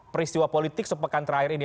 peristiwa politik sepekan terakhir ini